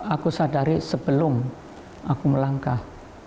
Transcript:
aku sadari sebelum aku melangkah